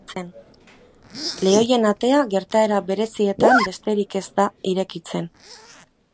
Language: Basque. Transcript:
Lehoien Atea gertaera berezietan besterik ez da irekitzen.